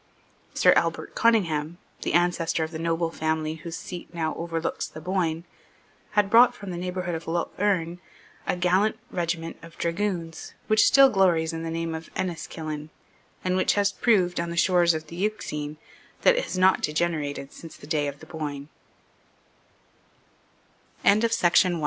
Sir Albert Conyngham, the ancestor of the noble family whose seat now overlooks the Boyne, had brought from the neighbourhood of Lough Erne a gallant regiment of dragoons which still glories in the name of Enniskillen, and which has proved on the shores of the Euxine that it has not degenerated since the day of the Boyne, Walker, not